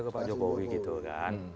ke pak jokowi gitu kan